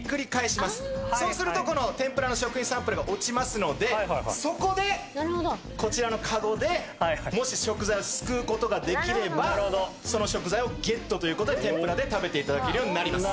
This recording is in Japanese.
そうするとこの天ぷらの食品サンプルが落ちますのでそこでこちらのカゴでもし食材を救う事ができればその食材をゲットという事で天ぷらで食べて頂けるようになります。